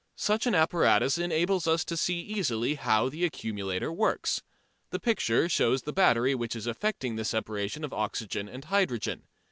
Such an apparatus enables us to see easily how the accumulator works. The picture shows the battery which is effecting the separation of the oxygen and hydrogen.